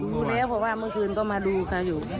รู้แล้วเพราะว่าเมื่อคืนก็มาดูกันอยู่